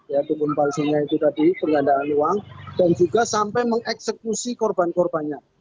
ya kebun palsunya itu tadi penggandaan uang dan juga sampai mengeksekusi korban korbannya